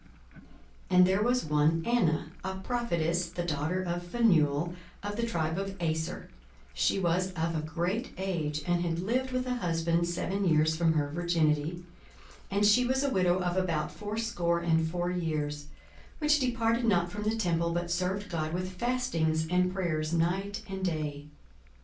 42:002:036 And there was one Anna, a prophetess, the daughter of Phanuel, of the tribe of Aser: she was of a great age, and had lived with an husband seven years from her virginity; 42:002:037 And she was a widow of about fourscore and four years, which departed not from the temple, but served God with fastings and prayers night and day.